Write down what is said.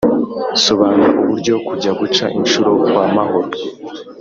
sobanura uburyo kujya guca inshuro kwa mahoro